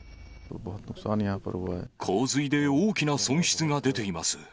洪水で大きな損失が出ています。